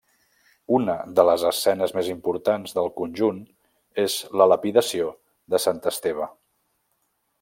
Una de les escenes més importants del conjunt és la lapidació de Sant Esteve.